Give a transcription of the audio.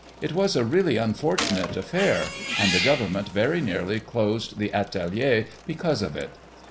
It was a really unfortunate affair, and the government very nearly closed the atelier because of it.